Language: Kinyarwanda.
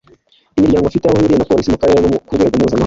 imiryango ifite aho ihuriye na Polisi mu karere no ku rwego mpuzamahanga